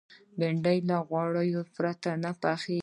بېنډۍ له غوړو پرته هم پخېږي